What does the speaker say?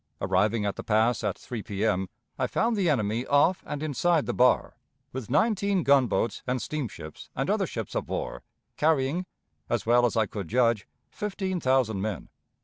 Arriving at the Pass at 3 P.M., I found the enemy off and inside the bar, with nineteen gunboats and steamships and other ships of war, carrying, as well as I could judge, fifteen thousand men.